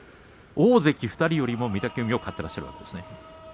大関２人よりも御嶽海を買っていらっしゃると。